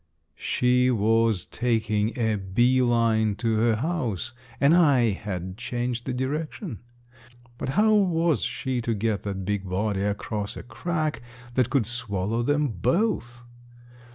She was taking a bee line to her house, and I had changed the direction. But how was she to get that big body across a crack that could swallow them both?